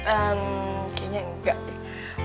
emm kayaknya enggak deh